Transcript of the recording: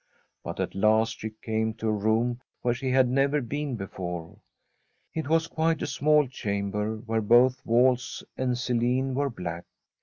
But at last she came to a room where she had never been before ; it was quite a small cham ber, where both walls and ceiling were black.